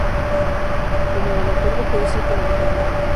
Como dramaturgo fue discípulo de Calderón.